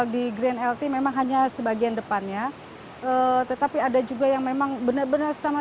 di grand lt memang hanya sebagian depannya tetapi ada juga yang memang benar benar sama